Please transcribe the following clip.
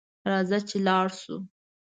راځه چې لاړشوو